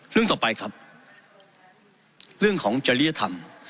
เรื่องต่อไปครับเรื่องของจริยธรรม